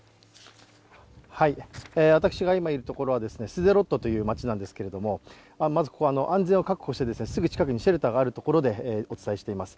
私が今いるところはスデロットという街ですけれども、まずここは安全を確保してすぐ近くにシェルターがあるところでお伝えしています。